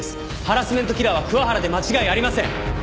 ハラスメントキラーは桑原で間違いありません！